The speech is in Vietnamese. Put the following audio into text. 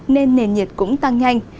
nên nền nhiệt cũng tăng nhanh